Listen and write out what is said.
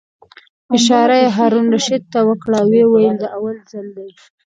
اشاره یې هارون الرشید ته وکړه او ویې ویل: دا اول ځل دی.